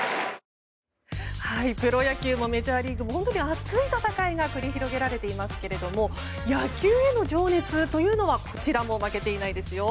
プロ野球もメジャーリーグも熱い試合が繰り広げられていますが野球への情熱というのはこちらも負けていないですよ。